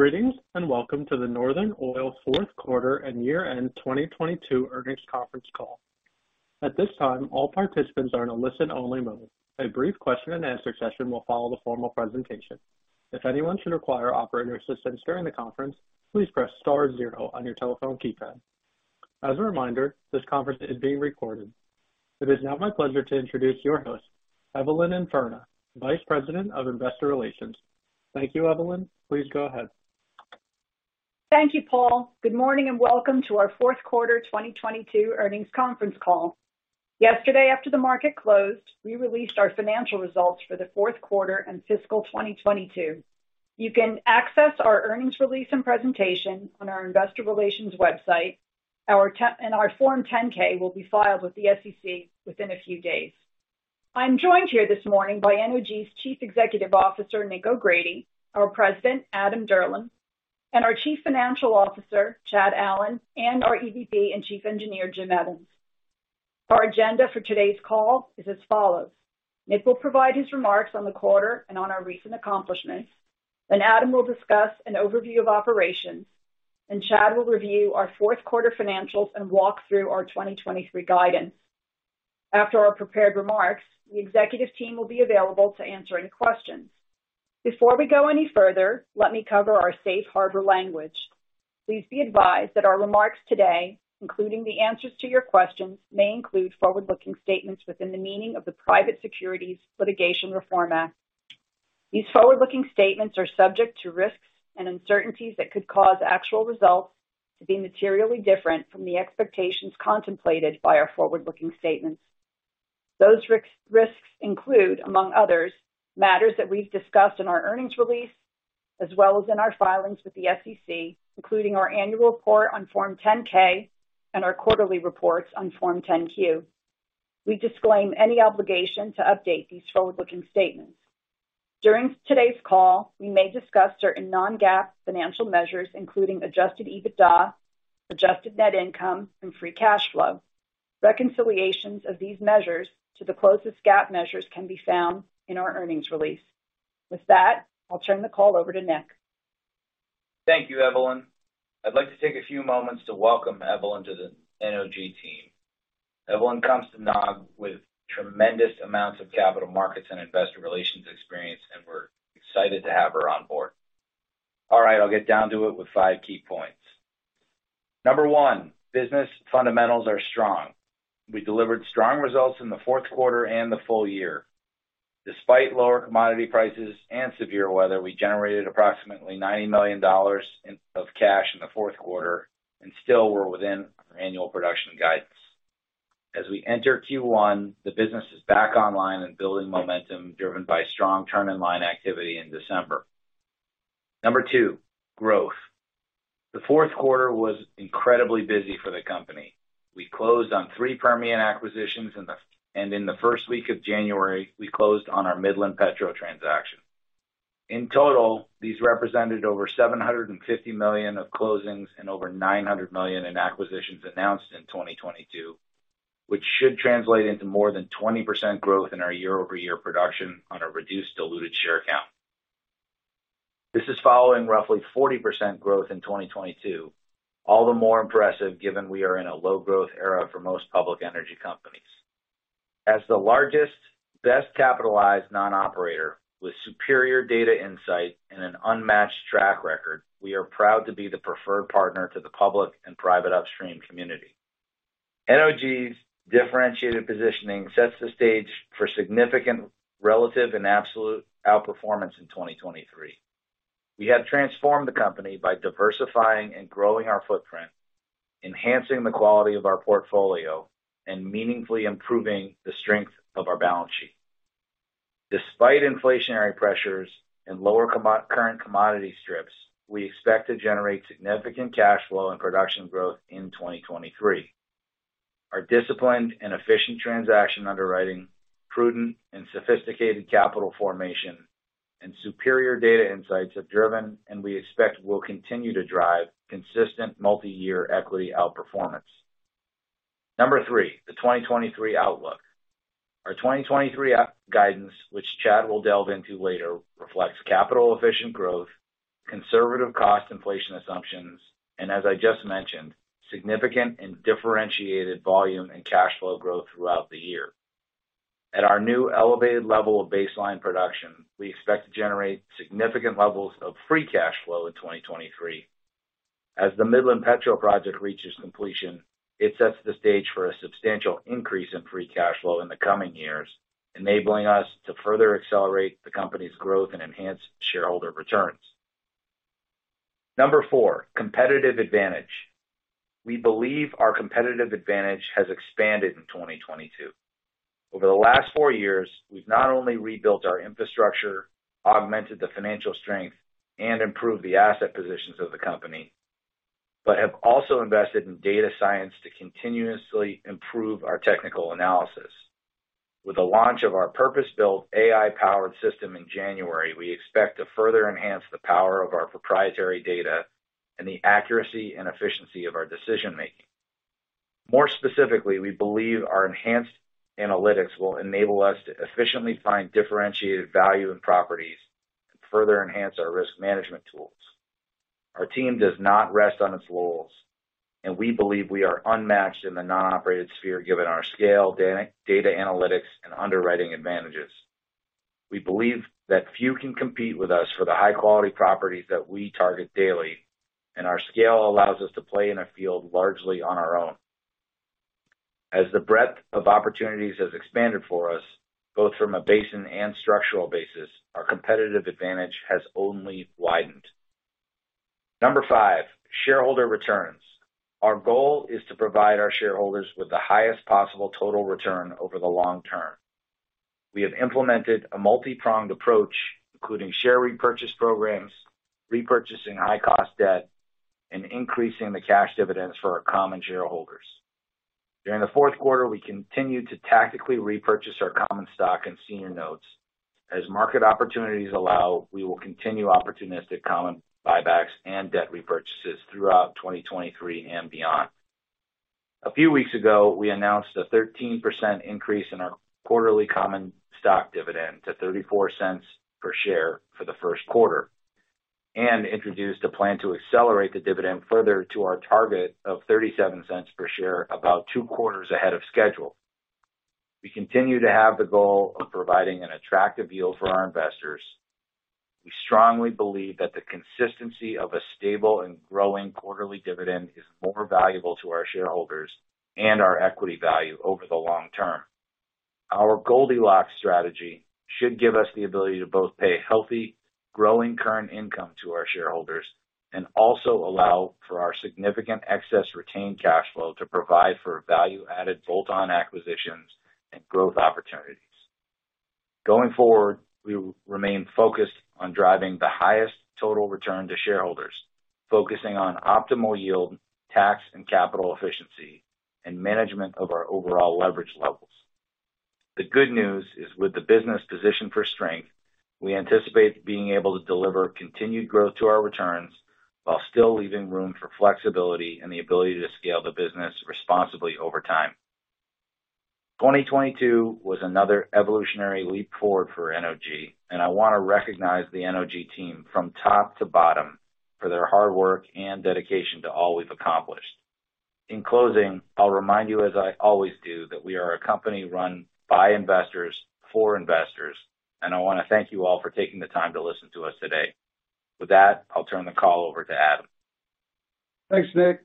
Greetings, and welcome to the Northern Oil Q4 and Year-End 2022 Earnings Conference Call. At this time, all participants are in a listen-only mode. A brief question and answer session will follow the formal presentation. If anyone should require operator assistance during the conference, please press star 0 on your telephone keypad. As a reminder, this conference is being recorded. It is now my pleasure to introduce your host, Evelyn Infurna, Vice President of Investor Relations. Thank you, Evelyn. Please go ahead. Thank you, Paul. Good morning, welcome to our Q4 2022 earnings conference call. Yesterday, after the market closed, we released our financial results for the Q4 and fiscal 2022. You can access our earnings release and presentation on our investor relations website. Our Form 10-K will be filed with the SEC within a few days. I'm joined here this morning by Energy's Chief Executive Officer, Nick O'Grady, our President, Adam Dirlam, our Chief Financial Officer, Chad Allen, and our EVP and Chief Engineer, Jim Evans. Our agenda for today's call is as follows. Nick will provide his remarks on the quarter and on our recent accomplishments. Adam will discuss an overview of operations, and Chad will review our fourth quarter financials and walk through our 2023 guidance. After our prepared remarks, the executive team will be available to answer any questions. Before we go any further, let me cover our safe harbor language. Please be advised that our remarks today, including the answers to your questions, may include forward-looking statements within the meaning of the Private Securities Litigation Reform Act. These forward-looking statements are subject to risks and uncertainties that could cause actual results to be materially different from the expectations contemplated by our forward-looking statements. Those risks include, among others, matters that we've discussed in our earnings release as well as in our filings with the SEC, including our annual report on Form 10-K and our quarterly reports on Form 10-Q. We disclaim any obligation to update these forward-looking statements. During today's call, we may discuss certain Non-GAAP financial measures, including adjusted EBITDA, adjusted net income, and free cash flow. Reconciliations of these measures to the closest GAAP measures can be found in our earnings release. With that, I'll turn the call over to Nick. Thank you, Evelyn. I'd like to take a few moments to welcome Evelyn to the NOG team. Evelyn comes to NOG with tremendous amounts of capital markets and investor relations experience. We're excited to have her on board. All right, I'll get down to it with five key points. Number one, business fundamentals are strong. We delivered strong results in the Q4 and the full year. Despite lower commodity prices and severe weather, we generated approximately $90 million of cash in the Q4 and still were within our annual production guidance. As we enter Q1, the business is back online and building momentum, driven by strong turn-in-line activity in December. Number two, growth. The Q4 was incredibly busy for the company. We closed on three Permian acquisitions. In the first week of January, we closed on our Midland Petro transaction. In total, these represented over $750 million of closings and over $900 million in acquisitions announced in 2022, which should translate into more than 20% growth in our year-over-year production on a reduced diluted share count. This is following roughly 40% growth in 2022. All the more impressive given we are in a low growth era for most public energy companies. As the largest, best capitalized non-operator with superior data insight and an unmatched track record, we are proud to be the preferred partner to the public and private upstream community. NOG's differentiated positioning sets the stage for significant relative and absolute outperformance in 2023. We have transformed the company by diversifying and growing our footprint, enhancing the quality of our portfolio, and meaningfully improving the strength of our balance sheet. Despite inflationary pressures and lower current commodity strips, we expect to generate significant cash flow and production growth in 2023. Our disciplined and efficient transaction underwriting, prudent and sophisticated capital formation, and superior data insights have driven, and we expect will continue to drive, consistent multi-year equity outperformance. Number three, the 2023 outlook. Our 2023 guidance, which Chad will delve into later, reflects capital efficient growth, conservative cost inflation assumptions, and as I just mentioned, significant and differentiated volume and cash flow growth throughout the year. At our new elevated level of baseline production, we expect to generate significant levels of free cash flow in 2023. As the Mascot Project reaches completion, it sets the stage for a substantial increase in free cash flow in the coming years, enabling us to further accelerate the company's growth and enhance shareholder returns. Number 4, competitive advantage. We believe our competitive advantage has expanded in 2022. Over the last 4 years, we've not only rebuilt our infrastructure, augmented the financial strength, and improved the asset positions of the company, but have also invested in data science to continuously improve our technical analysis. With the launch of our purpose-built AI-powered system in January, we expect to further enhance the power of our proprietary data and the accuracy and efficiency of our decision making. More specifically, we believe our enhanced analytics will enable us to efficiently find differentiated value in properties and further enhance our risk management tools. Our team does not rest on its laurels, and we believe we are unmatched in the non-operated sphere given our scale, data analytics and underwriting advantages. We believe that few can compete with us for the high-quality properties that we target daily, and our scale allows us to play in a field largely on our own. As the breadth of opportunities has expanded for us, both from a basin and structural basis, our competitive advantage has only widened. Number five, shareholder returns. Our goal is to provide our shareholders with the highest possible total return over the long term. We have implemented a multi-pronged approach, including share repurchase programs, repurchasing high cost debt, and increasing the cash dividends for our common shareholders. During the Q4, we continued to tactically repurchase our common stock and senior notes. As market opportunities allow, we will continue opportunistic common buybacks and debt repurchases throughout 2023 and beyond. A few weeks ago, we announced a 13% increase in our quarterly common stock dividend to $0.34 per share for the first quarter, and introduced a plan to accelerate the dividend further to our target of $0.37 per share about two quarters ahead of schedule. We continue to have the goal of providing an attractive yield for our investors. We strongly believe that the consistency of a stable and growing quarterly dividend is more valuable to our shareholders and our equity value over the long term. Our Goldilocks strategy should give us the ability to both pay healthy, growing current income to our shareholders, and also allow for our significant excess retained cash flow to provide for value-added bolt-on acquisitions and growth opportunities. Going forward, we will remain focused on driving the highest total return to shareholders, focusing on optimal yield, tax and capital efficiency, and management of our overall leverage levels. The good news is, with the business positioned for strength, we anticipate being able to deliver continued growth to our returns while still leaving room for flexibility and the ability to scale the business responsibly over time. 2022 was another evolutionary leap forward for NOG, and I want to recognize the NOG team from top to bottom for their hard work and dedication to all we've accomplished. In closing, I'll remind you, as I always do, that we are a company run by investors for investors, and I wanna thank you all for taking the time to listen to us today. With that, I'll turn the call over to Adam. Thanks, Nick.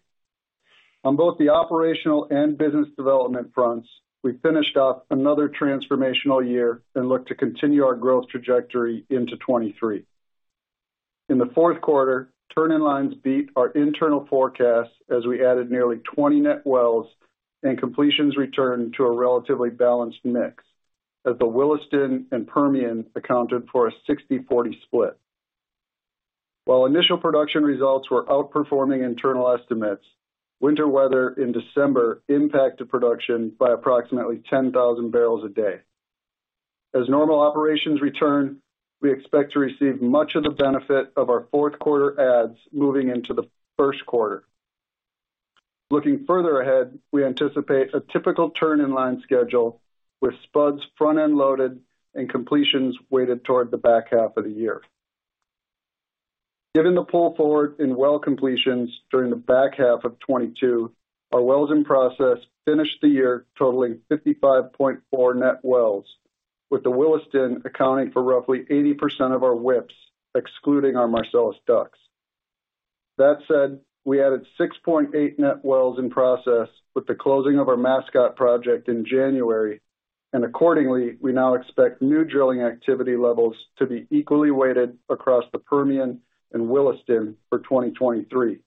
On both the operational and business development fronts, we finished off another transformational year and look to continue our growth trajectory into 2023. In the fourth quar, turn-in-lines beat our internal forecasts as we added nearly 20-net wells, and completions returned to a relatively balanced mix, as the Williston and Permian accounted for a 60/40 split. While initial production results were outperforming internal estimates, winter weather in December impacted production by approximately 10,000 barrels a day. As normal operations return, we expect to receive much of the benefit of our Q4 adds moving into the Q1. Looking further ahead, we anticipate a typical turn-in-line schedule with spuds front-end loaded and completions weighted toward the back half of the year. Given the pull forward in well completions during the back half of 2022, our wells in process finished the year totaling 55.4 net wells, with the Williston accounting for roughly 80% of our WIPs, excluding our Marcellus DUCs. We added 6.8 net wells in process with the closing of our Mascot Project in January, and accordingly, we now expect new drilling activity levels to be equally weighted across the Permian and Williston for 2023.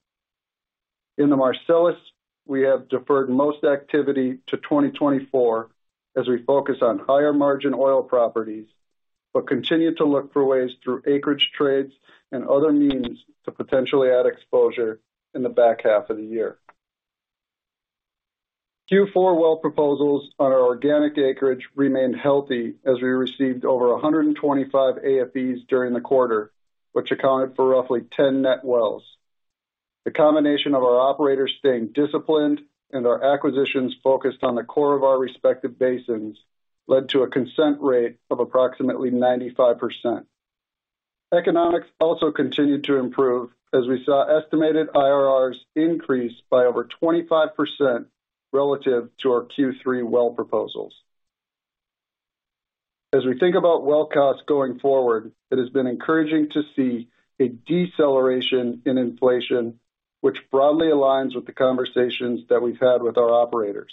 In the Marcellus, we have deferred most activity to 2024 as we focus on higher margin oil properties, but continue to look for ways through acreage trades and other means to potentially add exposure in the back half of the year. Q4 well proposals on our organic acreage remained healthy as we received over 125 AFEs during the quarter, which accounted for roughly 10 net wells. The combination of our operators staying disciplined and our acquisitions focused on the core of our respective basins led to a consent rate of approximately 95%. Economics also continued to improve as we saw estimated IRRs increase by over 25% relative to our Q3 well proposals. As we think about well costs going forward, it has been encouraging to see a deceleration in inflation, which broadly aligns with the conversations that we've had with our operators.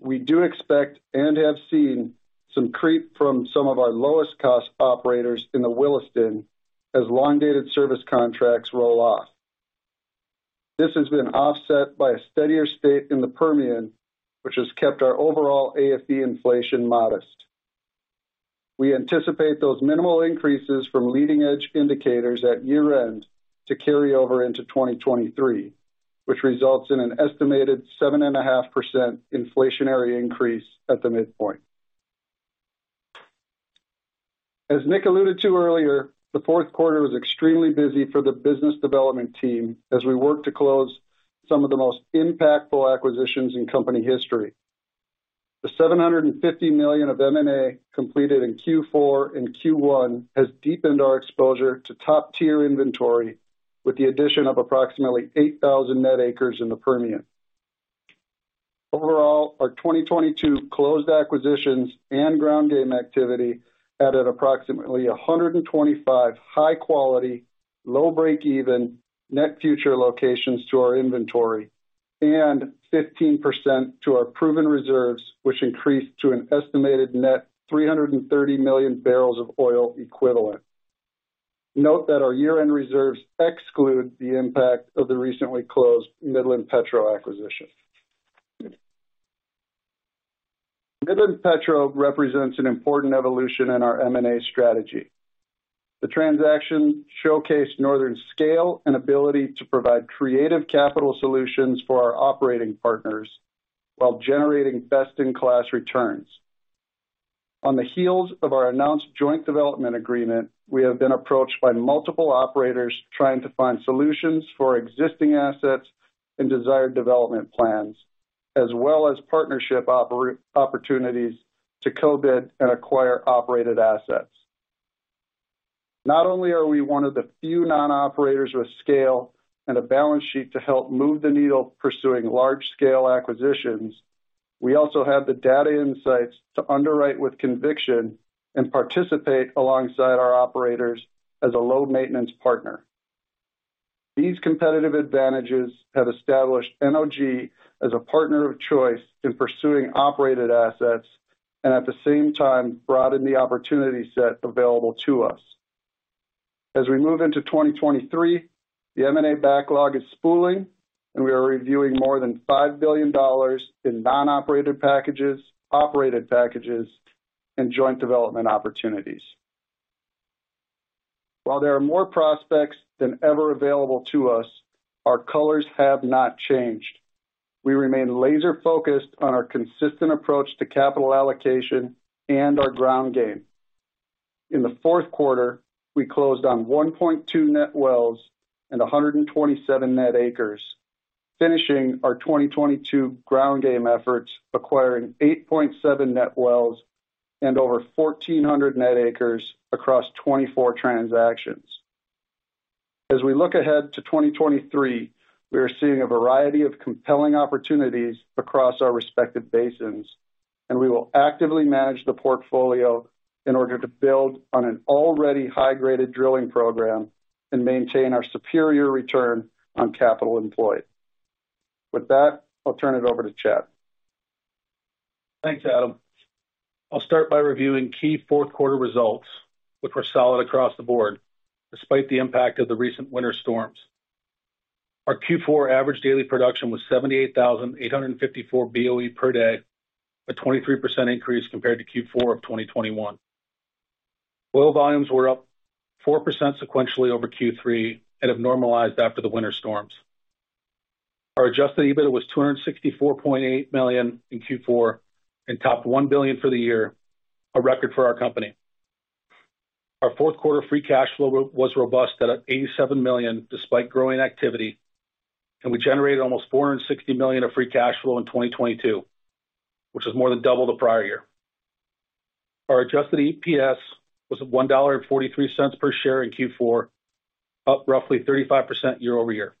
We do expect, and have seen, some creep from some of our lowest cost operators in the Williston as long-dated service contracts roll off. This has been offset by a steadier state in the Permian, which has kept our overall AFE inflation modest. We anticipate those minimal increases from leading edge indicators at year-end to carry over into 2023, which results in an estimated 7.5% inflationary increase at the midpoint. As Nick alluded to earlier, the Q4 was extremely busy for the business development team as we worked to close some of the most impactful acquisitions in company history. The $750 million of M&A completed in Q4 and Q1 has deepened our exposure to top-tier inventory with the addition of approximately 8,000 net acres in the Permian. Overall, our 2022 closed acquisitions and ground game activity added approximately 125 high quality, low break-even net future locations to our inventory, and 15% to our proven reserves, which increased to an estimated net 330 million barrels of oil equivalent. Note that our year-end reserves exclude the impact of the recently closed Midland Petro acquisition. Midland Petro represents an important evolution in our M&A strategy. The transaction showcased Northern's scale and ability to provide creative capital solutions for our operating partners while generating best-in-class returns. On the heels of our announced joint development agreement, we have been approached by multiple operators trying to find solutions for existing assets and desired development plans, as well as partnership opportunities to co-bid and acquire operated assets. Not only are we one of the few non-operators with scale and a balance sheet to help move the needle pursuing large-scale acquisitions, we also have the data insights to underwrite with conviction and participate alongside our operators as a low maintenance partner. These competitive advantages have established NOG as a partner of choice in pursuing operated assets and at the same time broadened the opportunity set available to us. As we move into 2023, the M&A backlog is spooling, and we are reviewing more than $5 billion in non-operated packages, operated packages, and joint development opportunities. While there are more prospects than ever available to us, our colors have not changed. We remain laser focused on our consistent approach to capital allocation and our ground game. In the fourth quarter, we closed on 1.2 net wells and 127 net acres, finishing our 2022 ground game efforts, acquiring 8.7 net wells and over 1,400 net acres across 24 transactions. As we look ahead to 2023, we are seeing a variety of compelling opportunities across our respective basins. We will actively manage the portfolio in order to build on an already high-graded drilling program and maintain our superior return on capital employed. With that, I'll turn it over to Chad. Thanks, Adam. I'll start by reviewing key fourth quarter results, which were solid across the board, despite the impact of the recent winter storms. Our Q4 average daily production was 78,854 BOE per day, a 23% increase compared to Q4 of 2021. Oil volumes were up 4% sequentially over Q3 and have normalized after the winter storms. Our adjusted EBITDA was $264.8 million in Q4 and topped $1 billion for the year, a record for our company. Our fourth Q4 free cash flow was robust at $87 million despite growing activity, we generated almost $460 million of free cash flow in 2022, which is more than double the prior year. Our adjusted EPS was at $1.43 per share in Q4, up roughly 35% year-over-year.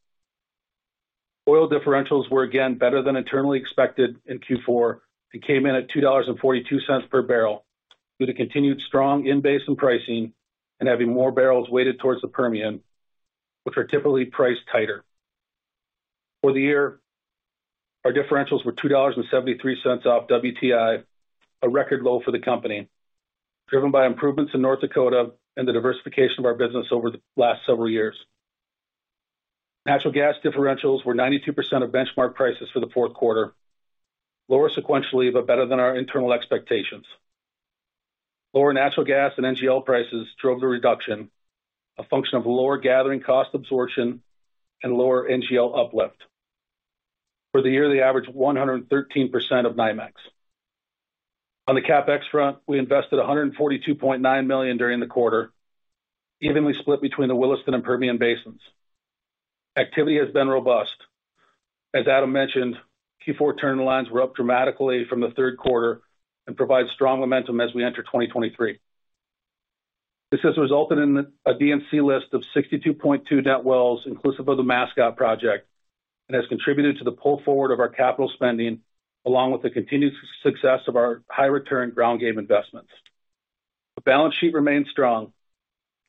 Oil differentials were again better than internally expected in Q4 and came in at $2.42 per barrel, with a continued strong in-basin pricing and having more barrels weighted towards the Permian, which are typically priced tighter. For the year, our differentials were $2.73 off WTI, a record low for the company, driven by improvements in North Dakota and the diversification of our business over the last several years. Natural gas differentials were 92% of benchmark prices for the fourth quarter, lower sequentially but better than our internal expectations. Lower natural gas and NGL prices drove the reduction, a function of lower gathering cost absorption and lower NGL uplift. For the year, they averaged 113% of NYMEX. On the CapEx front, we invested $142.9 million during the quarter, evenly split between the Williston and Permian basins. Activity has been robust. As Adam mentioned, Q4 turn lines were up dramatically from the third quarter and provide strong momentum as we enter 2023. This has resulted in a D&C list of 62.2 net wells inclusive of the Mascot Project and has contributed to the pull forward of our capital spending, along with the continued success of our high return ground game investments. The balance sheet remains strong.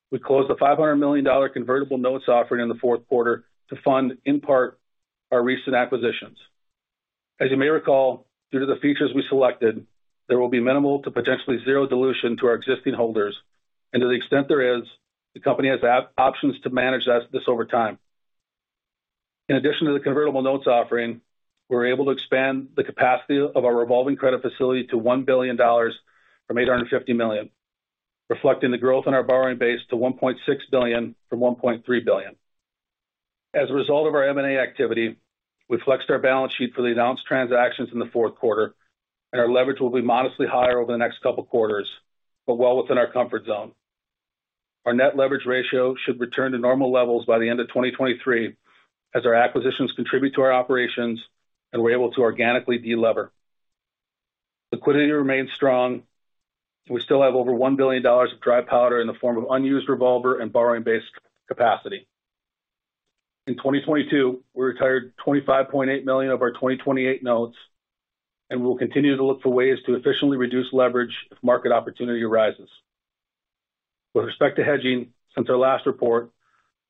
We closed the $500 million convertible notes offering in the Q4 to fund, in part, our recent acquisitions. As you may recall, due to the features we selected, there will be minimal to potentially zero dilution to our existing holders. To the extent there is, the company has options to manage this over time. In addition to the convertible notes offering, we're able to expand the capacity of our revolving credit facility to $1 billion from $850 million, reflecting the growth in our borrowing base to $1.6 billion from $1.3 billion. As a result of our M&A activity, we flexed our balance sheet for the announced transactions in the Q4, and our leverage will be modestly higher over the next couple quarters, but well within our comfort zone. Our net-leverage-ratio should return to normal levels by the end of 2023 as our acquisitions contribute to our operations and we're able to organically de-lever. Liquidity remains strong, and we still have over $1 billion of dry powder in the form of unused revolver and borrowing base capacity. In 2022, we retired $25.8 million of our 2028 notes, and we'll continue to look for ways to efficiently reduce leverage if market opportunity arises. With respect to hedging, since our last report,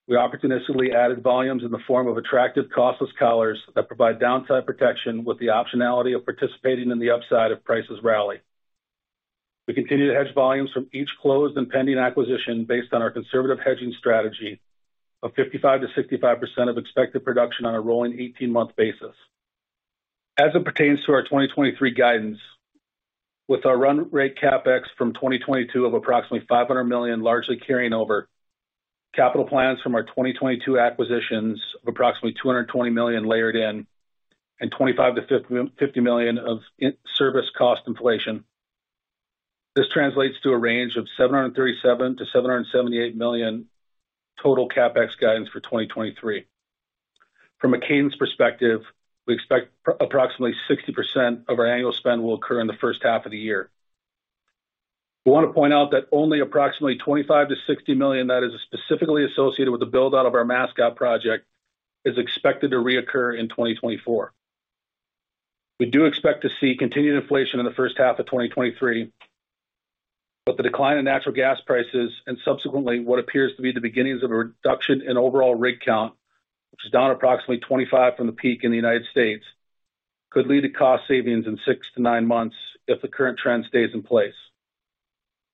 we opportunistically added volumes in the form of attractive costless collars that provide downside protection with the optionality of participating in the upside if prices rally. We continue to hedge volumes from each closed and pending acquisition based on our conservative hedging strategy of 55%-65% of expected production on a rolling 18-month basis. As it pertains to our 2023 guidance, with our run rate CapEx from 2022 of approximately $500 million largely carrying over, capital plans from our 2022 acquisitions of approximately $220 million layered in, and $25-$50 million of in-service cost inflation. This translates to a range of $737 million-$778 million total CapEx guidance for 2023. From a cadence perspective, we expect approximately 60% of our annual spend will occur in the H1 of the year. We wanna point out that only approximately $25 million-$60 million that is specifically associated with the build-out of our Mascot Project is expected to reoccur in 2024. We do expect to see continued inflation in the first half of 2023, the decline in natural gas prices and subsequently, what appears to be the beginnings of a reduction in overall rig count, which is down approximately 25 from the peak in the United States, could lead to cost savings in six to nine months if the current trend stays in place.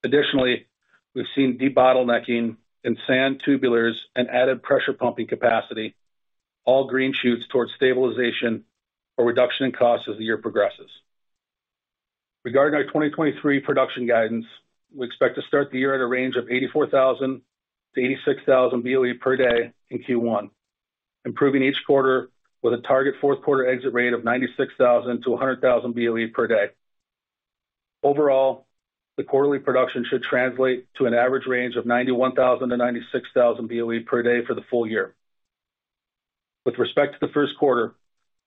Additionally, we've seen de-bottlenecking in sand tubulars and added pressure pumping capacity, all green shoots towards stabilization or reduction in cost as the year progresses. Regarding our 2023 production guidance, we expect to start the year at a range of 84,000-86,000 BOE per day in Q1, improving each quarter with a target Q4 exit rate of 96,000-100,000 BOE per day. Overall, the quarterly production should translate to an average range of 91,000-96,000 BOE per day for the full year. With respect to the Q1,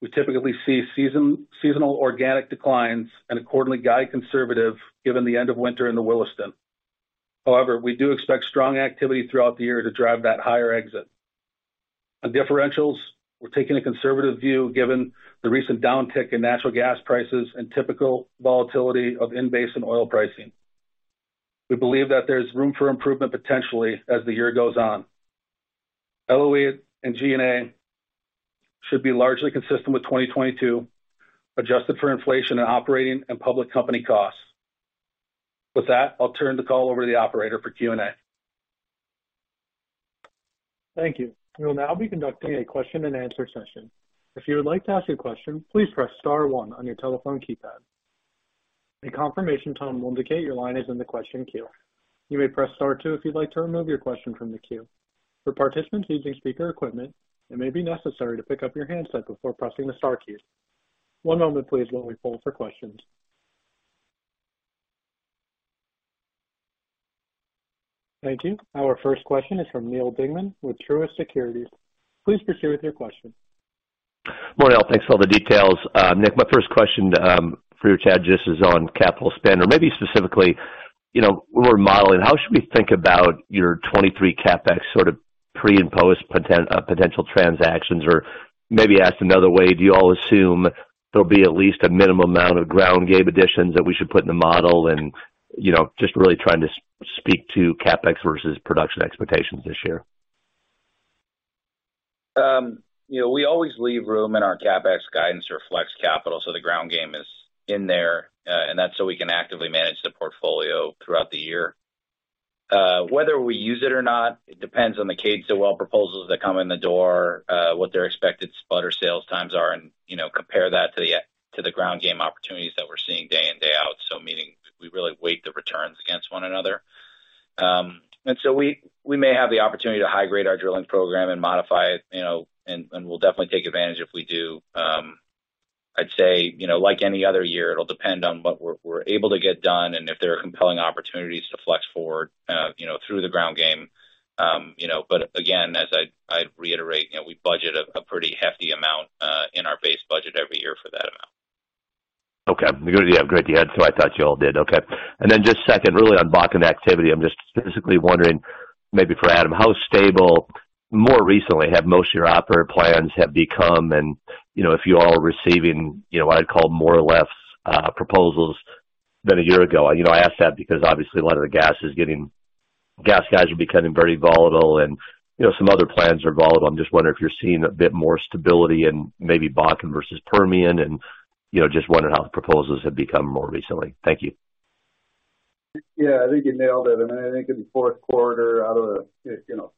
we typically see seasonal organic declines and accordingly guide conservative given the end of winter in the Williston. We do expect strong activity throughout the year to drive that higher exit. On differentials, we're taking a conservative view given the recent downtick in natural gas prices and typical volatility of in-basin oil pricing. We believe that there's room for improvement potentially as the year goes on. LOE and G&A should be largely consistent with 2022, adjusted for inflation in operating and public company costs. I'll turn the call over to the operator for Q&A. Thank you. We'll now be conducting a question-and-answer session. If you would like to ask a question, please press star one on your telephone keypad. A confirmation tone will indicate your line is in the question queue. You may press star two if you'd like to remove your question from the queue. For participants using speaker equipment, it may be necessary to pick up your handset before pressing the star key. One moment please, while we poll for questions. Thank you. Our first question is from Neal Dingmann with Truist Securities. Please proceed with your question. Morning, all. Thanks for all the details. Nick, my first question, for you to address is on capital spend or maybe specifically, you know, we're modeling, how should we think about your 2023 CapEx sort of pre and post potential transactions? Maybe asked another way, do you all assume there'll be at least a minimum amount of ground game additions that we should put in the model and, you know, just really trying to speak to CapEx versus production expectations this year. You know, we always leave room in our CapEx guidance or flex capital, so the ground game is in there. And that's so we can actively manage the portfolio throughout the year. Whether we use it or not, it depends on the cadence of well proposals that come in the door, what their expected sputter sales times are and, you know, compare that to the to the ground game opportunities that we're seeing day in, day out. Meaning we really weight the returns against one another. And so we may have the opportunity to high grade our drilling program and modify it, you know, and we'll definitely take advantage if we do. I'd say, you know, like any other year, it'll depend on what we're able to get done, and if there are compelling opportunities to flex forward, you know, through the ground game. You know, again, as I reiterate, you know, we budget a pretty hefty amount, in our base budget every year for that amount. Okay. Yeah, great. Yeah. I thought you all did. Okay. Then just second, really on Bakken activity. I'm just specifically wondering, maybe for Adam, how stable more recently have most of your operator plans have become? You know, if you all are receiving, you know, what I'd call more or less proposals than a year ago. You know, I ask that because obviously a lot of the gas guys are becoming very volatile and, you know, some other plans are volatile. I'm just wondering if you're seeing a bit more stability in maybe Bakken versus Permian and, you know, just wondering how the proposals have become more recently. Thank you. Yeah, I think you nailed it. I think in the Q4, out of the, you know,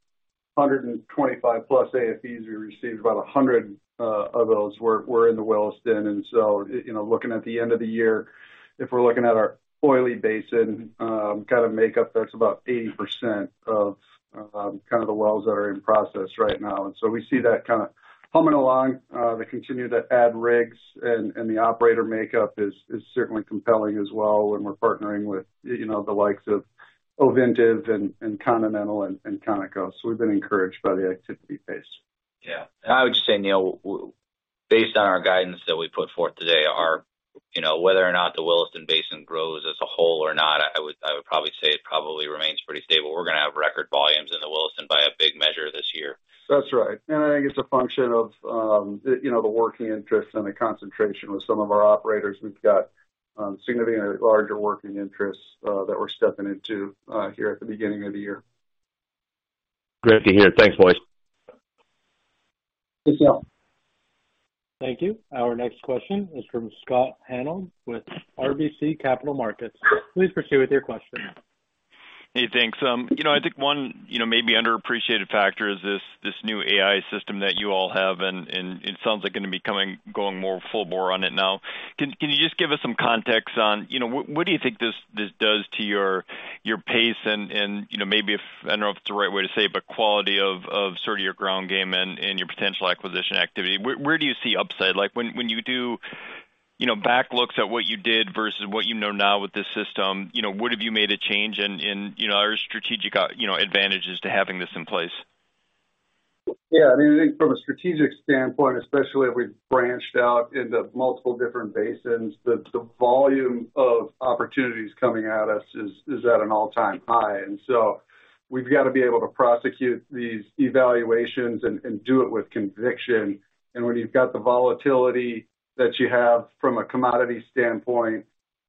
125 plus AFEs we received, about 100 of those were in the Williston. You know, looking at the end of the year, if we're looking at our oily basin, kinda makeup, that's about 80% of kind of the wells that are in process right now. We see that kinda humming along, they continue to add rigs and the operator makeup is certainly compelling as well when we're partnering with, you know, the likes of Ovintiv and Continental and Conoco. We've been encouraged by the activity pace. Yeah. I would just say, Neal, based on our guidance that we put forth today, our, you know, whether or not the Williston Basin grows as a whole or not, I would probably say it probably remains pretty stable. We're gonna have record volumes in the Williston by a big measure this year. That's right. I think it's a function of the you know the working interest and the concentration with some of our operators. We've got significantly larger working interests that we're stepping into here at the beginning of the year. Great to hear. Thanks, boys. Thanks, Neal. Thank you. Our next question is from Scott Hanold with RBC Capital Markets. Please proceed with your question. Hey, thanks. You know, I think one, you know, maybe underappreciated factor is this new AI system that you all have, and it sounds like you're gonna be going more full bore on it now. Can you just give us some context on, you know, what do you think this does to your pace and, you know, maybe if... I don't know if it's the right way to say it, but quality of sort of your ground game and your potential acquisition activity? Where do you see upside? Like, when you do, you know, back looks at what you did versus what you know now with this system, you know, would have you made a change in, you know, are there strategic, you know, advantages to having this in place? Yeah. I mean, I think from a strategic standpoint, especially as we've branched out into multiple different basins, the volume of opportunities coming at us is at an all-time high. So we've gotta be able to prosecute these evaluations and do it with conviction. When you've got the volatility that you have from a commodity standpoint,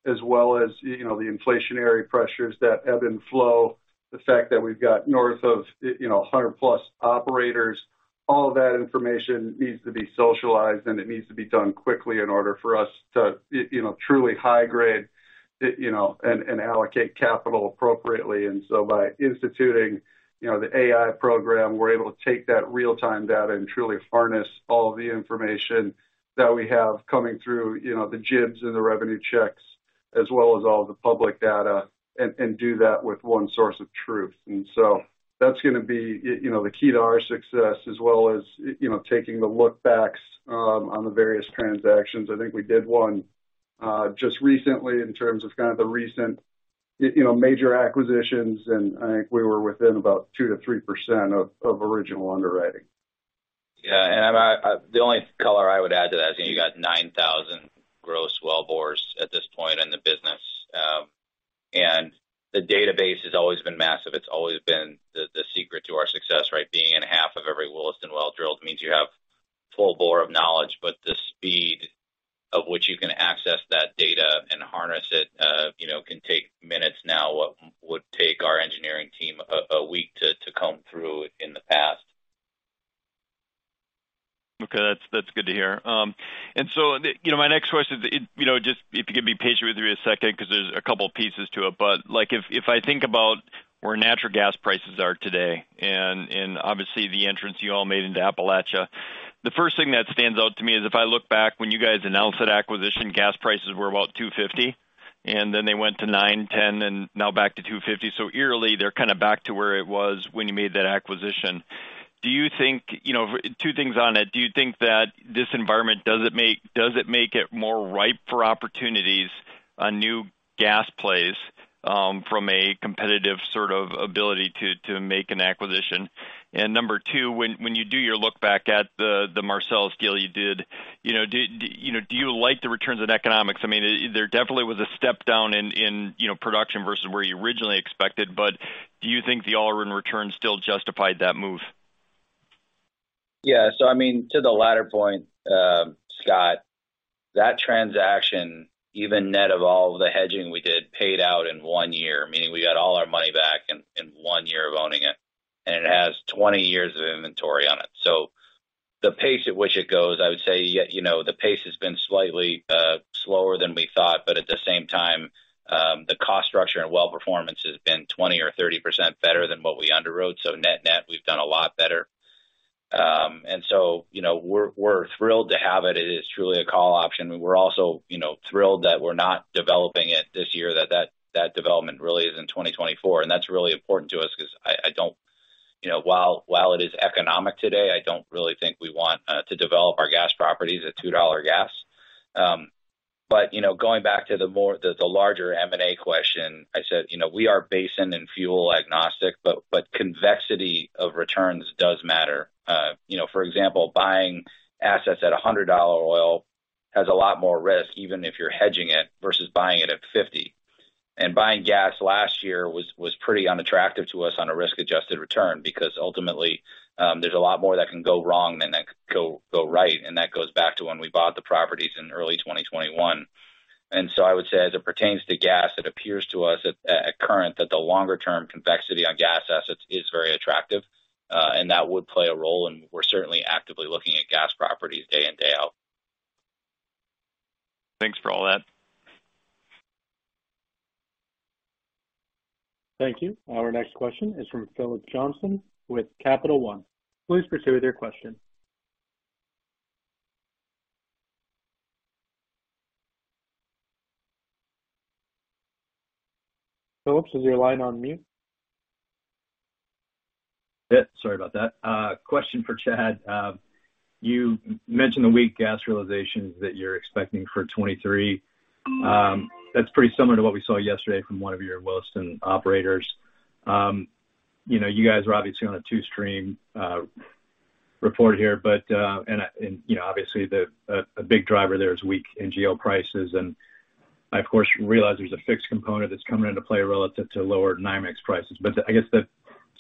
as well as, you know, the inflationary pressures that ebb and flow, the fact that we've got north of, you know, 100+ operators, all of that information needs to be socialized, and it needs to be done quickly in order for us to, you know, truly high grade it, you know, and allocate capital appropriately. By instituting, you know, the AI program, we're able to take that real-time data and truly harness all the information that we have coming through, you know, the jibs and the revenue checks, as well as all the public data, and do that with one source of truth. That's gonna be, you know, the key to our success, as well as, you know, taking the look-backs on the various transactions. I think we did one just recently in terms of kind of the recent you know, major acquisitions, and I think we were within about 2%-3% of original underwriting. Yeah. The only color I would add to that is, you know, you got 9,000 gross wellbores at this point in the business. The database has always been massive. It's always been the secret to our success, right? Being in half of every Williston well drilled means you have full bore of knowledge, but the speed of which you can access that data and harness it, you know, can take minutes now, what would take our engineering team a week to comb through in the past. Okay. That's, that's good to hear. My next question is, you know, just if you could be patient with me a second 'cause there's a couple pieces to it. Like, if I think about where natural gas prices are today and obviously the entrance you all made into Appalachia, the first thing that stands out to me is if I look back when you guys announced that acquisition, gas prices were about $2.50, then they went to $9, $10, and now back to $2.50. Eerily, they're kinda back to where it was when you made that acquisition. Do you think, you know, two things on it? Do you think that this environment, does it make it more ripe for opportunities on new gas plays, from a competitive sort of ability to make an acquisition? Number two, when you do your look back at the Marcellus deal you did, you know, do you like the returns on economics? I mean, there definitely was a step down in, you know, production versus where you originally expected, but do you think the all-in return still justified that move? Yeah. I mean, to the latter point, Scott, that transaction, even net of all the hedging we did, paid out in one year, meaning we got all our money back in one year of owning it, and it has 20 years of inventory on it. The pace at which it goes, I would say, you know, the pace has been slightly slower than we thought. At the same time, the cost structure and well performance has been 20% or 30% better than what we underwrote. Net-net, we've done a lot better. You know, we're thrilled to have it. It is truly a call option. We're also, you know, thrilled that we're not developing it this year, that development really is in 2024. That's really important to us 'cause I don't, you know, while it is economic today, I don't really think we want to develop our gas properties at $2 gas. You know, going back to the larger M&A question, I said, you know, we are basin and fuel agnostic, but convexity of returns does matter. You know, for example, buying assets at $100 oil has a lot more risk, even if you're hedging it versus buying it at $50. Buying gas last year was pretty unattractive to us on a risk-adjusted return because ultimately, there's a lot more that can go wrong than that can go right, and that goes back to when we bought the properties in early 2021. I would say, as it pertains to gas, it appears to us at current that the longer term convexity on gas assets is very attractive, and that would play a role, and we're certainly actively looking at gas properties day in, day out. Thanks for all that. Thank you. Our next question is from Philip Johnston with Capital One. Please proceed with your question. Johnston, is your line on mute? Yeah, sorry about that. Question for Chad. You mentioned the weak gas realizations that you're expecting for 23. That's pretty similar to what we saw yesterday from one of your Williston operators. You know, you guys are obviously on a two-stream report here, but, and, you know, obviously a big driver there is weak NGL prices. I, of course, realize there's a fixed component that's coming into play relative to lower NYMEX prices. I guess the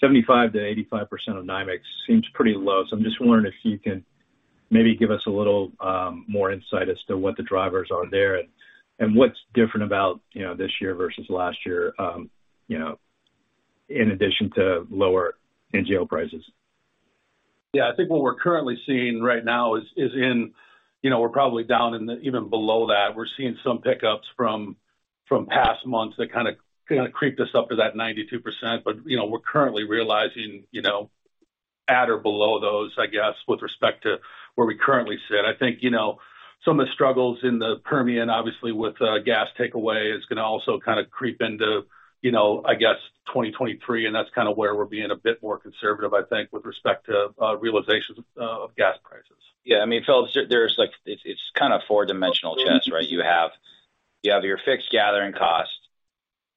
75%-85% of NYMEX seems pretty low. I'm just wondering if you can maybe give us a little more insight as to what the drivers are there and what's different about, you know, this year versus last year, you know, in addition to lower NGL prices? I think what we're currently seeing right now is in. You know, we're probably down in the even below that. We're seeing some pickups from past months that kinda creeped us up to that 92%. You know, we're currently realizing, you know, at or below those, I guess, with respect to where we currently sit. I think, you know, some of the struggles in the Permian, obviously with gas takeaway is gonna also kinda creep into, you know, I guess 2023, and that's kinda where we're being a bit more conservative, I think, with respect to realization of gas prices. I mean, Johnston, there's like. It's kinda four-dimensional chess, right? You have your fixed gathering cost,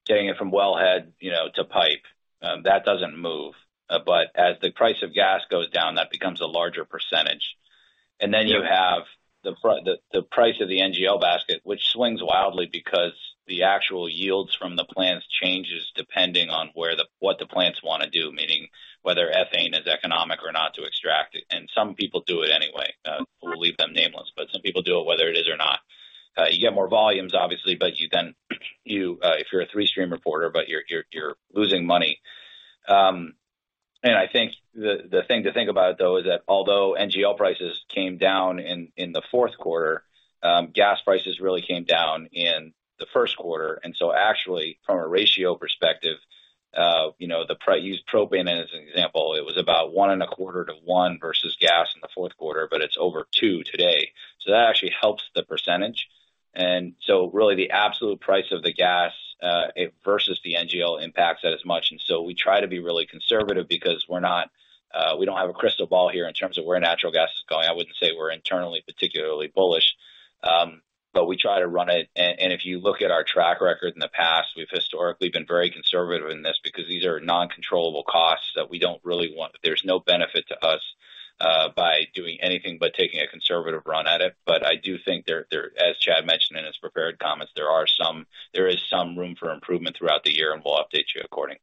getting it from wellhead, you know, to pipe. That doesn't move. As the price of gas goes down, that becomes a larger percentage. Then you have the price of the NGL basket, which swings wildly because the actual yields from the plants changes depending on what the plants wanna do, meaning whether ethane is economic or not to extract it. Some people do it anyway. We'll leave them nameless, but some people do it whether it is or not. You get more volumes obviously, but then you, if you're a three-stream reporter, but you're losing money. I think the thing to think about though is that although NGL prices came down in the fourth quarter, gas prices really came down in the first quarter. Actually from a ratio perspective, you know, use propane as an example, it was about 1.25 to 1 versus gas in the fourth quarter, but it's over 2 today. That actually helps the percentage. Really the absolute price of the gas, versus the NGL impacts that as much. We try to be really conservative because we're not, we don't have a crystal ball here in terms of where natural gas is going. I wouldn't say we're internally particularly bullish, but we try to run it. If you look at our track record in the past, we've historically been very conservative in this because these are non-controllable costs that we don't really want. There's no benefit to us by doing anything but taking a conservative run at it. I do think there, as Chad mentioned in his prepared comments, there is some room for improvement throughout the year, and we'll update you accordingly.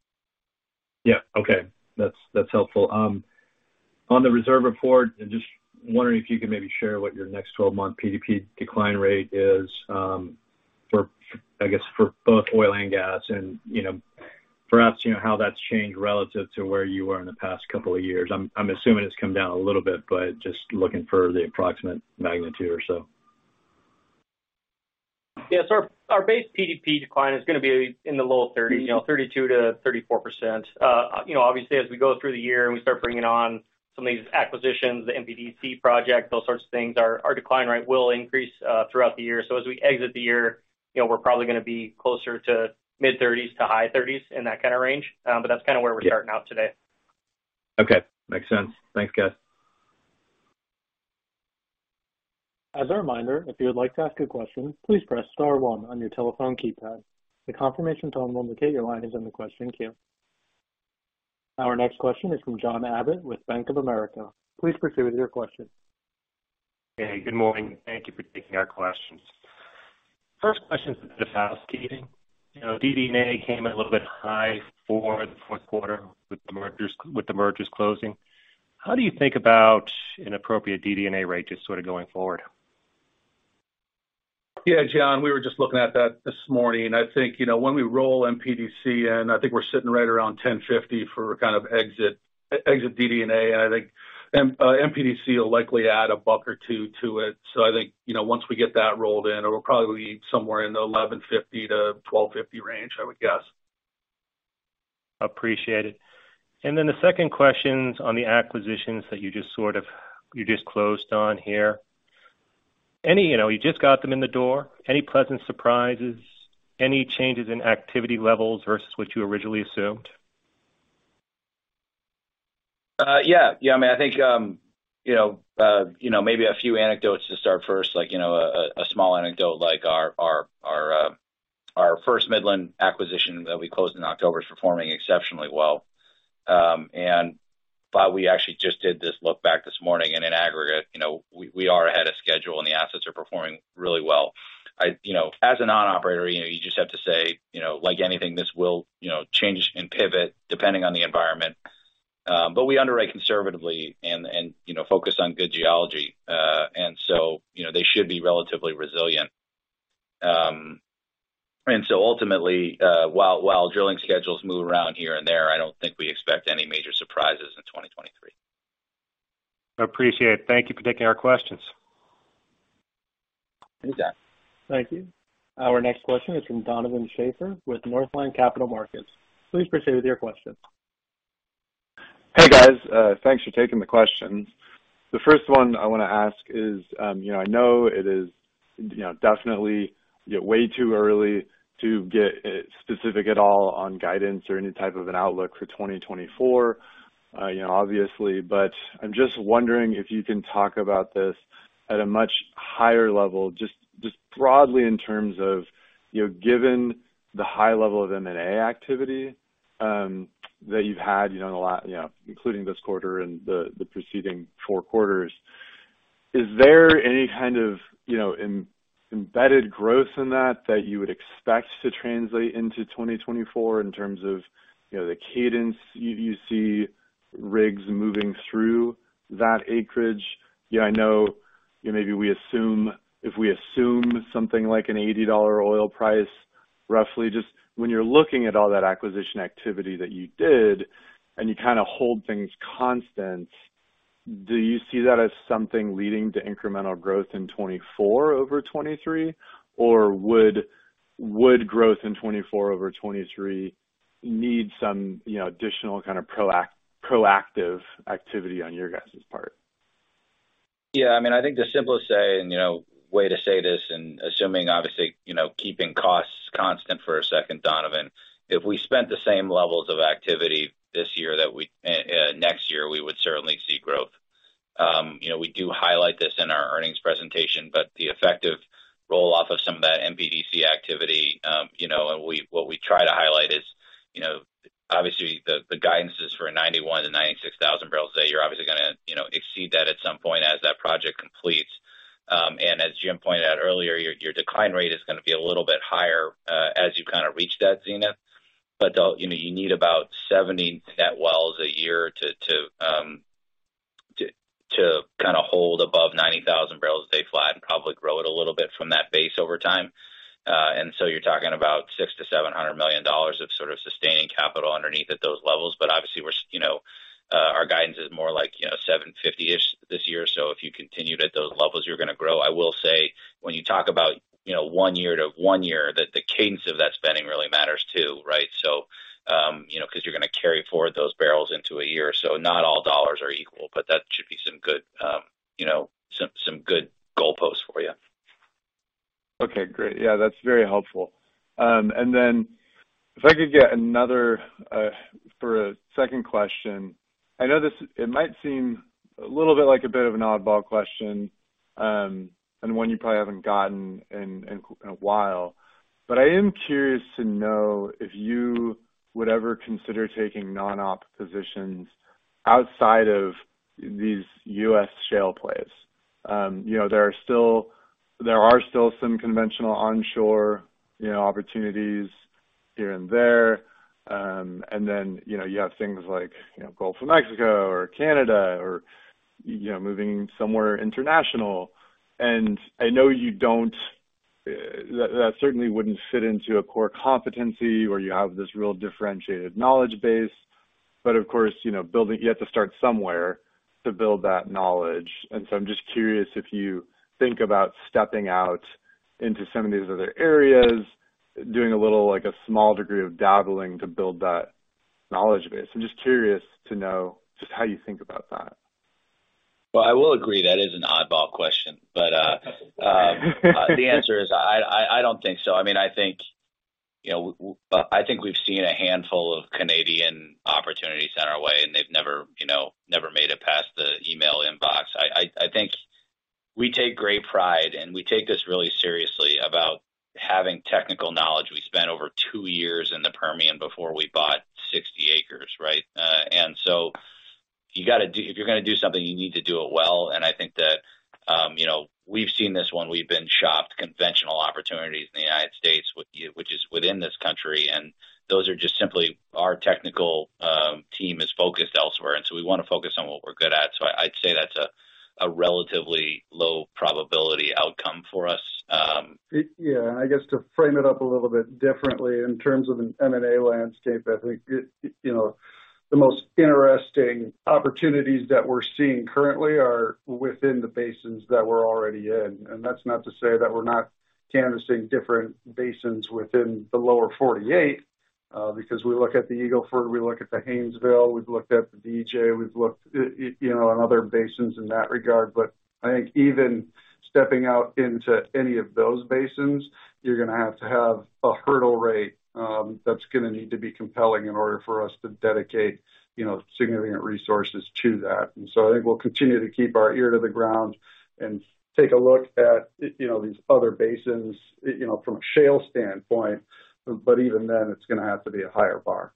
Yeah. Okay. That's helpful. On the reserve report, I'm just wondering if you could maybe share what your next 12-month PDP decline rate is, for, I guess, for both oil and gas. You know, perhaps, you know, how that's changed relative to where you were in the past couple of years. I'm assuming it's come down a little bit, but just looking for the approximate magnitude or so. Our base PDP decline is gonna be in the low thirties, you know, 32% to 34%. You know, obviously as we go through the year and we start bringing on some of these acquisitions, the MPDC projects, those sorts of things, our decline rate will increase throughout the year. As we exit the year, you know, we're probably gonna be closer to mid-thirties to high thirties in that kinda range. That's kinda where we're starting out today. Okay. Makes sense. Thanks, guys. As a reminder, if you would like to ask a question, please press star one on your telephone keypad. The confirmation tone will indicate your line is in the question queue. Our next question is from John Abbott with Bank of America. Please proceed with your question. Hey, good morning. Thank you for taking our questions. First question's a bit of housekeeping. You know, DD&A came in a little bit high for the Q4 with the mergers closing. How do you think about an appropriate DD&A rate just sort of going forward? Yeah, John, we were just looking at that this morning. I think, you know, when we roll MPDC in, I think we're sitting right around $10.50 for kind of exit DD&A. I think MPDC will likely add $1 or $2 to it. I think, you know, once we get that rolled in, it will probably be somewhere in the $11.50 to $12.50 range, I would guess. Appreciate it. The second question's on the acquisitions that you just closed on here. You know, you just got them in the door. Any pleasant surprises? Any changes in activity levels versus what you originally assumed? Yeah, I mean, I think, you know, you know, maybe a few anecdotes to start first, like, you know, a small anecdote like our, our first Midland acquisition that we closed in October is performing exceptionally well. We actually just did this look back this morning in an aggregate. You know, we are ahead of schedule, and the assets are performing really well. You know, as a non-operator, you know, you just have to say, you know, like anything, this will, you know, change and pivot depending on the environment. We underwrite conservatively and, you know, focus on good geology. You know, they should be relatively resilient. Ultimately, while drilling schedules move around here and there, I don't think we expect any major surprises in 2023. I appreciate it. Thank you for taking our questions. Thanks, John. Thank you. Our next question is from Donovan Schafer with Northland Capital Markets. Please proceed with your question. Hey, guys. Thanks for taking the questions. The first one I wanna ask is, you know, I know it is, you know, definitely way too early to get specific at all on guidance or any type of an outlook for 2024, you know, obviously. I'm just wondering if you can talk about this at a much higher level, just broadly in terms of, you know, given the high level of M&A activity, that you've had, you know, a lot, you know, including this quarter and the preceding four quarters, is there any kind of, you know, embedded growth in that that you would expect to translate into 2024 in terms of, you know, the cadence you see rigs moving through that acreage? You know, I know, you know, maybe we assume... if we assume something like an $80 oil price, roughly, just when you're looking at all that acquisition activity that you did and you kinda hold things constant, do you see that as something leading to incremental growth in 2024 over 2023? Would growth in 2024 over 2023 need some, you know, additional kind of proactive activity on your guys' part? Yeah, I mean, I think the simplest say, and, you know, way to say this and assuming obviously, you know, keeping costs constant for a second, Donovan, if we spent the same levels of activity this year next year, we would certainly see growth. You know, we do highlight this in our earnings presentation, but the effective roll-off of some of that MPDC activity, you know, what we try to highlight is, you know, obviously the guidance is for 91,000 to 96,000 barrels a day. You're obviously gonna, you know, exceed that at some point as that project completes. And as Jim pointed out earlier, your decline rate is gonna be a little bit higher, as you kinda reach that zenith. They'll... You know, you need about 70 net wells a year to kinda hold above 90,000 barrels a day flat and probably grow it a little bit from that base over time. You're talking about $600 million to $700 million of sort of sustaining capital underneath at those levels. Obviously, we're, you know, our guidance is more like, you know, $750-ish this year. If you continued at those levels, you're gonna grow. I will say when you talk about, you know, 1 year to 1 year, the cadence of that spending really matters too, right? You know, 'cause you're gonna carry forward those barrels into a year, so not all dollars are equal, but that should be some good, you know, good goalposts for you. Okay, great. Yeah, that's very helpful. If I could get another for a second question. I know this, it might seem a little bit like a bit of an oddball question, and one you probably haven't gotten in a while. I am curious to know if you would ever consider taking non-op positions outside of these U.S. shale plays. You know, there are still some conventional onshore, you know, opportunities here and there. You know, you have things like, you know, Gulf of Mexico or Canada or, you know, moving somewhere international. I know you don't, that certainly wouldn't fit into a core competency where you have this real differentiated knowledge base. Of course, you know, you have to start somewhere to build that knowledge. I'm just curious if you think about stepping out into some of these other areas, doing a little, like, a small degree of dabbling to build that knowledge base. I'm just curious to know just how you think about that. Well, I will agree that is an oddball question. The answer is I, I don't think so. I mean, I think, you know, I think we've seen a handful of Canadian opportunities on our way, and they've never, you know, never made it past the email inbox. I, I think we take great pride, and we take this really seriously about having technical knowledge. We spent over two years in the Permian before we bought 60 acres, right? So you gotta do if you're gonna do something, you need to do it well. I think that, you know, we've seen this when we've been shopped conventional opportunities in the United States which is within this country, those are just simply our technical team is focused elsewhere, so we wanna focus on what we're good at. I'd say that's a relatively low probability outcome for us. Yeah. I guess to frame it up a little bit differently in terms of an M&A landscape, I think, you know, the most interesting opportunities that we're seeing currently are within the basins that we're already in. That's not to say that we're not canvassing different basins within the lower 48, because we look at the Eagle Ford, we look at the Haynesville, we've looked at the DJ, we've looked, you know, in other basins in that regard. I think even stepping out into any of those basins, you're gonna have to have a hurdle rate that's gonna need to be compelling in order for us to dedicate, you know, significant resources to that. I think we'll continue to keep our ear to the ground and take a look at, you know, these other basins, you know, from a shale standpoint, but even then, it's gonna have to be a higher bar.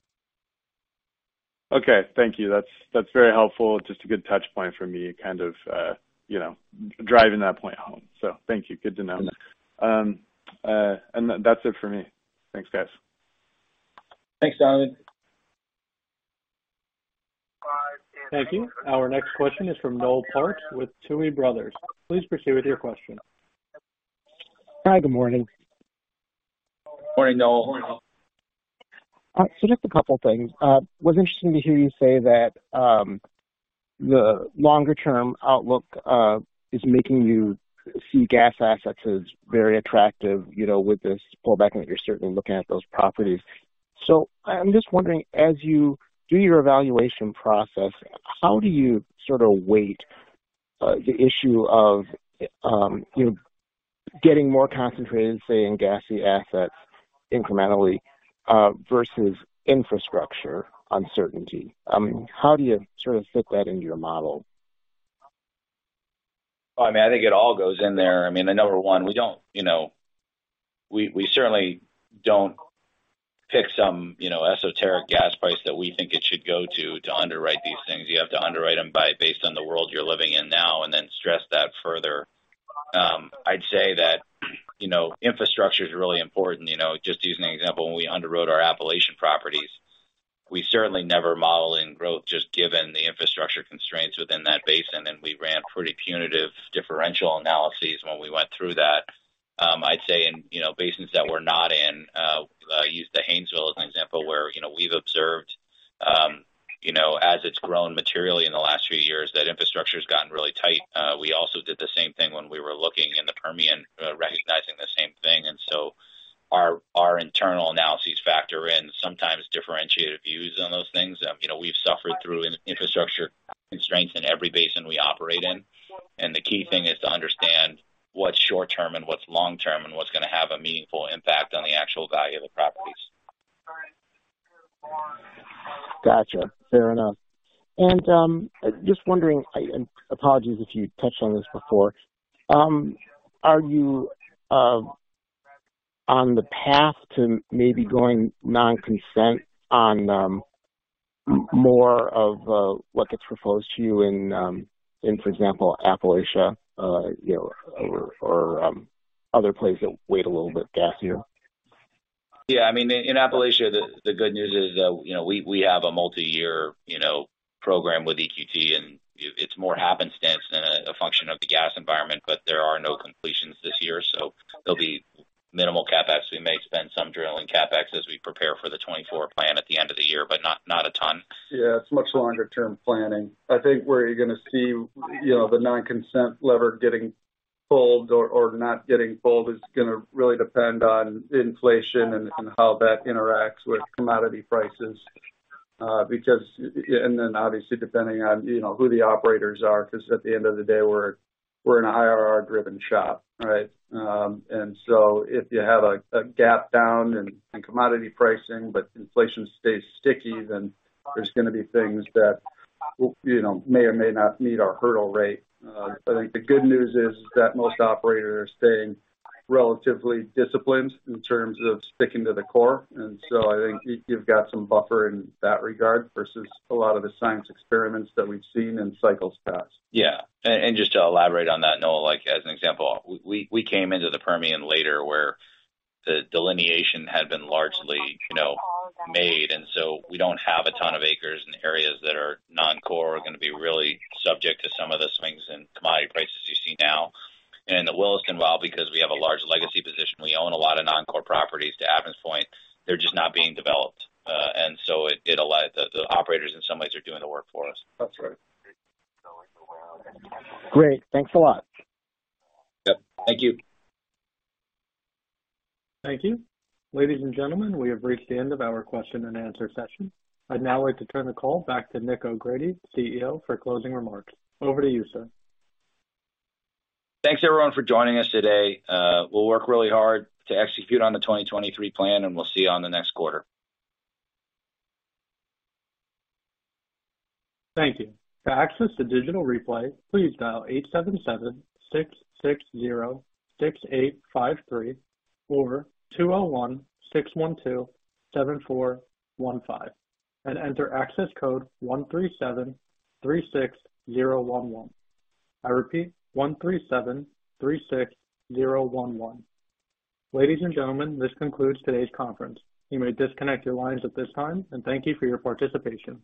Okay. Thank you. That's very helpful. Just a good touchpoint for me, kind of, you know, driving that point home. Thank you. Good to know. That's it for me. Thanks, guys. Thanks, Donovan. Thank you. Our next question is from Noel Parks with Tuohy Brothers. Please proceed with your question. Hi, good morning. Morning, Noel. Just a couple things. Was interesting to hear you say that the longer-term outlook is making you see gas assets as very attractive, you know, with this pullback, and that you're certainly looking at those properties. I'm just wondering, as you do your evaluation process, how do you sort of weight the issue of, you know, getting more concentrated, say, in gassy assets incrementally, versus infrastructure uncertainty? How do you sort of fit that into your model? Well, I mean, I think it all goes in there. I mean, number one, we don't, you know, we certainly don't pick some, you know, esoteric gas price that we think it should go to underwrite these things. You have to underwrite them by based on the world you're living in now and then stress that further. I'd say that, you know, infrastructure's really important. You know, just using an example, when we underwrote our Appalachian properties, we certainly never model in growth just given the infrastructure constraints within that basin, and we ran pretty punitive differential analyses when we went through that. I'd say in, you know, basins that we're not in, use the Haynesville as an example where, you know, we've observed, you know, as it's grown materially in the last few years, that infrastructure's gotten really tight. We also did the same thing when we were looking in the Permian, recognizing the same thing. Our internal analyses factor in sometimes differentiated views on those things. You know, we've suffered through in-infrastructure constraints in every basin we operate in. The key thing is to understand what's short term and what's long term and what's gonna have a meaningful impact on the actual value of the properties. Gotcha. Fair enough. Just wondering. Apologies if you touched on this before. Are you on the path to maybe going non-consent on more of what gets proposed to you in, for example, Appalachia, you know, or other places that weight a little bit gassier? Yeah. I mean, in Appalachia, the good news is that, you know, we have a multiyear, you know, program with EQT, and it's more happenstance than a function of the gas environment. There are no completions this year, so there'll be minimal CapEx. We may spend some drilling CapEx as we prepare for the 2024 plan at the end of the year, but not a ton. Yeah, it's much longer term planning. I think where you're gonna see, you know, the non-consent-lever getting pulled or not getting pulled is gonna really depend on inflation and how that interacts with commodity prices. Then obviously depending on, you know, who the operators are, 'cause at the end of the day, we're in a IRR-driven shop, right? If you have a gap down in commodity pricing but inflation stays sticky, then there's gonna be things that, you know, may or may not meet our hurdle rate. I think the good news is that most operators are staying relatively disciplined in terms of sticking to the core. I think you've got some buffer in that regard versus a lot of the science experiments that we've seen in cycles past. Yeah. And just to elaborate on that, Noel Parks, like, as an example, we came into the Permian later, where the delineation had been largely, you know, made. So we don't have a ton of acres in areas that are non-core or gonna be really subject to some of the swings in commodity prices you see now. In the Williston, well, because we have a large legacy position, we own a lot of non-core properties to Evan's point. They're just not being developed. The operators in some ways are doing the work for us. That's right. Great. Thanks a lot. Yep. Thank you. Thank you. Ladies and gentlemen, we have reached the end of our question and answer session. I'd now like to turn the call back to Nick O'Grady, CEO, for closing remarks. Over to you, sir. Thanks everyone for joining us today. We'll work really hard to execute on the 2023 plan. We'll see you on the next quarter. Thank you. To access the digital replay, please dial 877-660-6853 or 201-612-7415 and enter access code 13736011. I repeat, 13736011. Ladies and gentlemen, this concludes today's conference. You may disconnect your lines at this time, and thank you for your participation.